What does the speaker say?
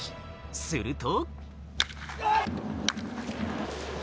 すると。